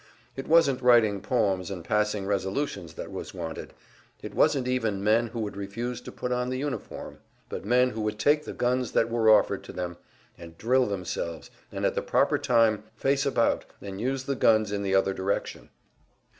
It wasn't writing poems and passing resolutions that was wanted; it wasn't even men who would refuse to put on the uniform, but men who would take the guns that were offered to them, and drill themselves, and at the proper time face about and use the guns in the other direction.